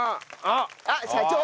あっ社長！